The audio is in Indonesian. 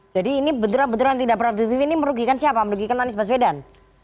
jadi ini benturan benturan yang tidak produktif ini merugikan siapa merugikan anies baswedan